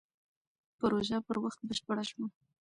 پروژه پر وخت بشپړه شوه.